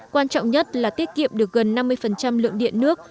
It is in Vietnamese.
quan trọng nhất là tiết kiệm được gần năm mươi lượng điện nước